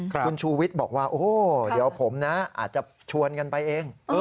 คุณชูวิทย์บอกว่าโอ้โหเดี๋ยวผมนะอาจจะชวนกันไปเอง